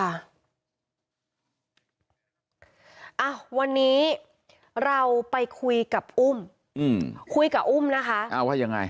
อ่ะวันนี้เราไปคุยกับอุ้มอืมคุยกับอุ้มนะคะอ้าวว่ายังไง